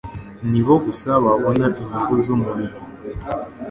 ni bo gusa babona inyungu z'umurimo